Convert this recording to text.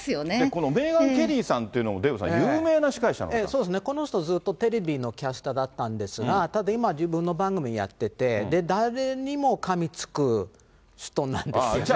このメーガン・ケリーさんというのもデーブさん、そうですね、この人、ずっとテレビのキャスターだったんですが、ただ、今、自分の番組やってて、誰にもかみつく人なんですよね。